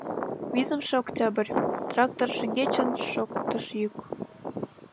— Визымше октябрь, — трактор шеҥгечын шоктыш йӱк.